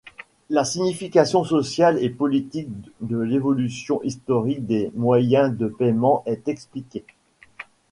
La signification sociale et politique de l’évolution historique des moyens de paiement est expliquée.